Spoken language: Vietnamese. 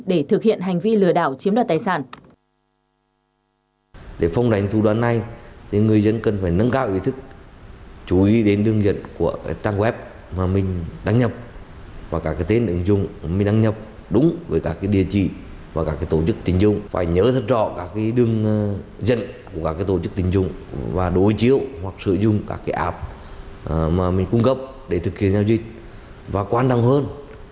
để thực hiện hành vi lừa đảo chiếm đoạt tài sản